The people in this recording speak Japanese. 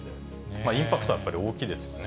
インパクトはやっぱり大きいですよね。